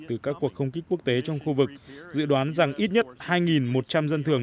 từ các cuộc không kích quốc tế trong khu vực dự đoán rằng ít nhất hai một trăm linh dân thường